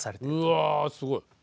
うわすごい。